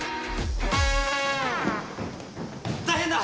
・大変だ！